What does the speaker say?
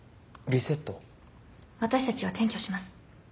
私たちは転居します。